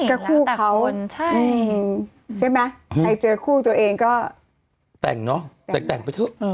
หลังจากคนใช่ใช่ไหมใครเจอคู่ตัวเองก็แต่งเนอะแต่งไปเถอะเออ